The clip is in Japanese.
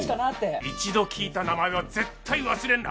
一度聞いた名前は絶対忘れんな！